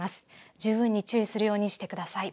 十分に注意するようにしてください。